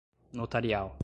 notarial